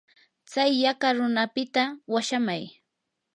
tsay yaqa runapita washaamay.